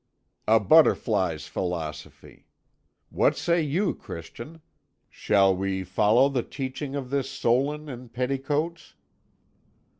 "A butterfly's philosophy. What say you, Christian? Shall we follow the teaching of this Solon in petticoats?"